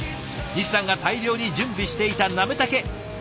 西さんが大量に準備していたなめたけ。